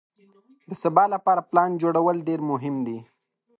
د سبا لپاره پلان جوړول ډېر مهم دي.